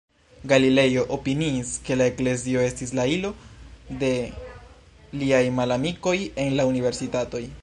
Galilejo opiniis, ke la Eklezio estis la ilo de liaj malamikoj en la universitatoj.